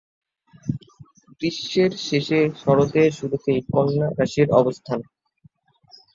গ্রীষ্মের শেষে শরতের শুরুতেই কন্যা রাশির অবস্থান।